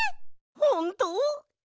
ほんと？